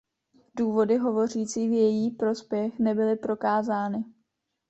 Důvody hovořící v její prospěch nebyly prokázány.